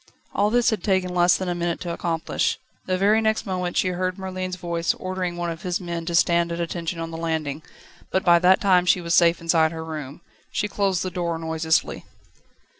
All this had taken less than a minute to accomplish. The very next moment she heard Merlin's voice ordering one of his men to stand at attention on the landing, but by that time she was safe inside her room. She closed the door noiselessly.